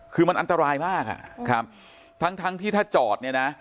คือมันอันตรายมากอ่ะครับทั้งทั้งที่ถ้าจอดเนี่ยนะ